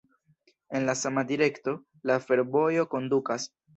En la sama direkto, la fervojo kondukas.